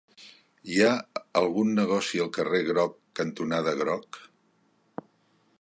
Hi ha algun negoci al carrer Groc cantonada Groc?